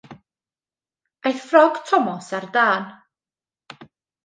Aeth ffrog Thomas ar dân.